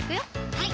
はい